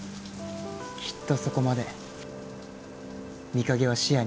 きっとそこまで美影は視野に入れてる。